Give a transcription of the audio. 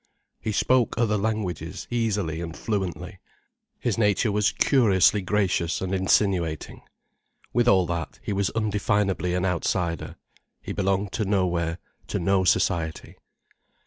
He spoke other languages easily and fluently, his nature was curiously gracious and insinuating. With all that, he was undefinably an outsider. He belonged to nowhere, to no society.